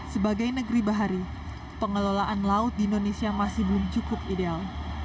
sebagai negeri bahari pengelolaan laut di indonesia masih belum cukup ideal